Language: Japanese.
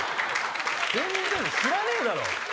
全然知らねえだろ！